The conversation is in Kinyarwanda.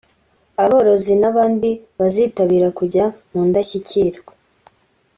aborozi n’abandi bazitabira kujya mu Ndashyikirwa